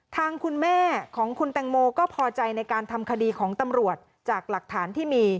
ทางคุณแม่ของคุณแตงโมก็พอใจในการทำคดีของตำรวจจากหลักฐานที่มี